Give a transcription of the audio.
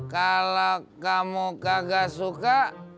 kalau kamu kagak suka